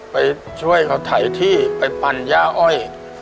ไปช่วยเขาถ่ายที่ไปปั่นย่าอ้อย